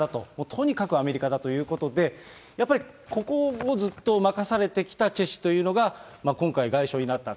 とにかくアメリカだということで、やっぱりここをずっと任されてきたチェ氏というのが、今回、外相になった。